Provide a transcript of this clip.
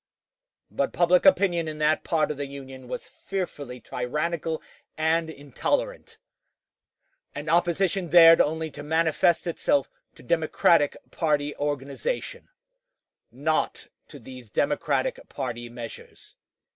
But public opinion in that part of the Union was fearfully tyrannical and intolerant; and opposition dared only to manifest itself to Democratic party organization not to these Democratic party measures.